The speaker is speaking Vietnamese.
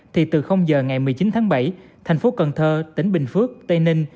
thì từ giờ ngày một mươi chín tháng bảy thành phố cần thơ tỉnh bình phước tây ninh